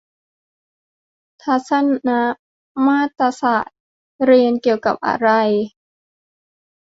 ทัศนมาตรศาสตร์ เรียนเกี่ยวกับอะไร